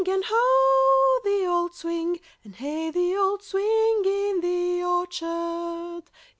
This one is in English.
And ho! the old swing! And hey, the old swing in the orchard!